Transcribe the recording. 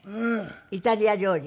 イタリア料理。